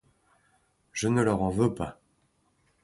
Je ne leur en veux pas.